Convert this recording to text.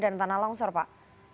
dan tanah longsor pak